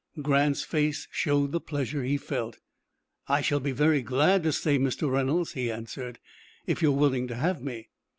Grant's face showed the pleasure he felt. "I shall be very glad to stay, Mr. Reynolds," he answered, "if you are willing to have me."